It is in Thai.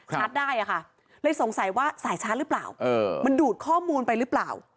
ได้อะค่ะเลยสงสัยว่าสายชาร์จหรือเปล่ามันดูดข้อมูลไปหรือเปล่า